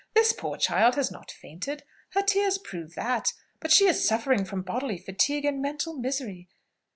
"This poor child has not fainted, her tears prove that; but she is suffering from bodily fatigue and mental misery.